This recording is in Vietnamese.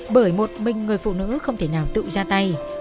bởi một mình người phụ nữ không thể nào tự ra tay